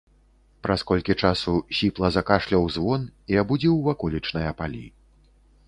Праз колькі часу сіпла закашляў звон і абудзіў ваколічныя палі.